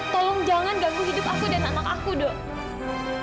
tolong jangan ganggu hidup aku dan anak aku dong